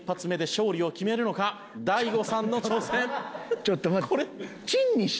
ちょっと待って。